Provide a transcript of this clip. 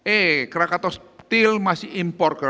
eh krakatoa still masih import